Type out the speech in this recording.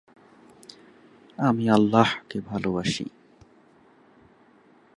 আন্তর্জাতিক রাগবি লীগে Australia, England এবং নিউজিল্যান্ডের জাতীয় রাগবি লীগ দল আধিপত্য বিস্তার করে আছে।